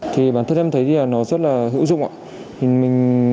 thì bản thân em thấy thì nó rất là hữu dụng ạ